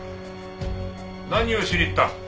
何をしに行った？